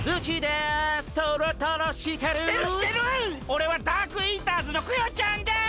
おれはダークイーターズのクヨちゃんです！